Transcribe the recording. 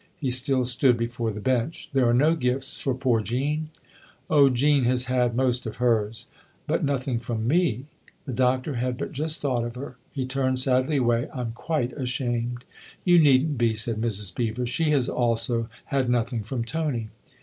He still stood before the bench. " There are no gifts for poor Jean ?"" Oh, Jean has had most of hers." " But nothing from me." The Doctor had but just thought of her; he turned sadly away. "I'm quite ashamed !" "You needn't be," said Mrs. Beever. "She has also had nothing from Tony."